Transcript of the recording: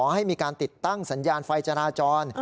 ให้มีการติดตั้งสัญญาณไฟจราจร